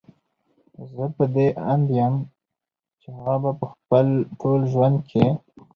زه په دې اند يم چې هغه به په خپل ټول ژوند کې